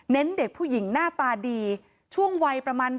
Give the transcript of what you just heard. เด็กผู้หญิงหน้าตาดีช่วงวัยประมาณ